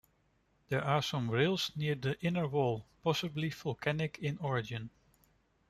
There are some rilles near the inner wall, possibly volcanic in origin.